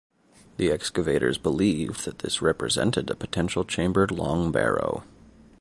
The excavators believed that this represented a potential chambered long barrow.